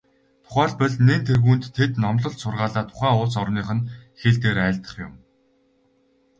Тухайлбал, нэн тэргүүнд тэд номлол сургаалаа тухайн улс орных нь хэл дээр айлдах юм.